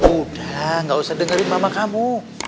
udah gak usah dengerin mama kamu